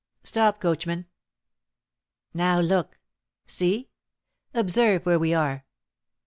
"Stop, coachman!" "Now look! see! observe where we are!"